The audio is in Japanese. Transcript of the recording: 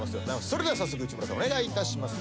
それでは早速内村さん。お願いいたします。